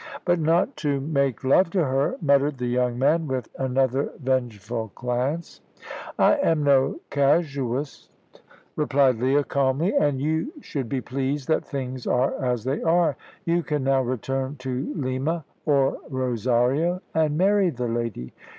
"But not to make love to her," muttered the young man, with another vengeful glance. "I am no casuist," replied Leah, calmly; "and you should be pleased that things are as they are. You can now return to Lima, or Rosario, and marry the lady."